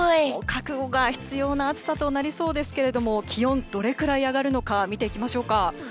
覚悟が必要な暑さとなりそうですけれども気温、どれくらい上がるのか見ていきましょうか。